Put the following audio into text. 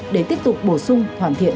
để tiếp tục bổ sung hoàn thiện